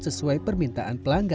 sesuai permintaan pelanggan